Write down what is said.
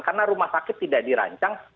karena rumah sakit tidak dirancang